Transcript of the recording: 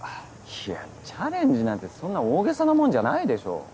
いやチャレンジなんてそんな大げさなもんじゃないでしょ。